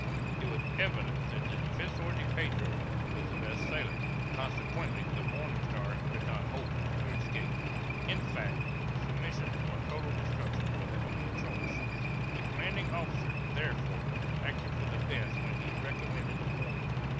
It was evident that the Defensor de Pedro was the best sailer, consequently the Morning Star could not hope to escape; in fact, submission or total destruction was the only choice. The commanding officer, therefore, acted for the best when he recommended the former.